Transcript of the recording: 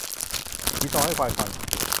สีซอให้ควายฟัง